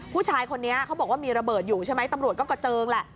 ผู้ชายคนนี้เขาบอกว่ามีระเบิดอยู่ตำรวจก็เกาะเจิง